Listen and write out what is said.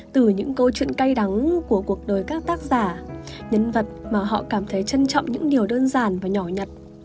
từ những câu chuyện cay đắng của cuộc đời các tác giả nhân vật mà họ cảm thấy trân trọng những điều đơn giản và nhỏ nhặt